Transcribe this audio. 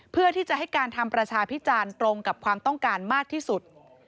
เพื่อที่จะให้การทำประชาพิจารณ์ตรงกับความต้องการมากที่สุด